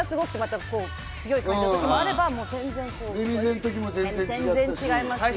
髭がすごくて強い感じの時もあれば、『レ・ミゼ』の時は全然違いますし。